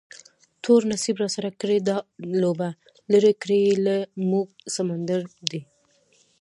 تور نصیب راسره کړې ده دا لوبه، لرې کړی یې له موږه سمندر دی